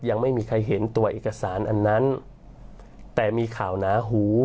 ยังไม่มีใครเห็นตัวเอกสารอันนั้นแต่มีข่าวหนาหู